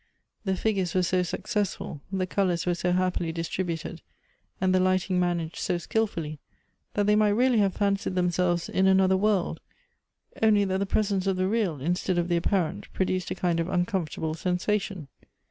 The figures were so successful, the col ors were so happily distributed, and the lighting man aged so' skilfully, that they might really have fancied themselves in another world, only that the presence of the real instead of the apparent, produced a kind of un comfortable sensation.